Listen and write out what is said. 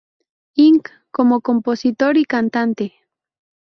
Inc como compositor y cantante.